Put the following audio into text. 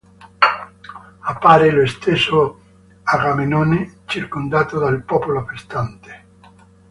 Appare lo stesso Agamennone, circondato dal popolo festante.